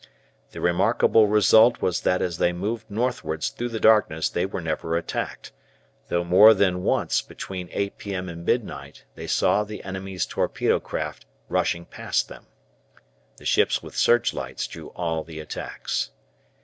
The remarkable result was that as they moved northwards through the darkness they were never attacked, though more than once between 8 p.m. and midnight they saw the enemy's torpedo craft rushing past them. The ships with searchlights drew all the attacks.